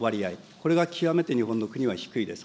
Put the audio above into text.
これが極めて日本の国は低いです。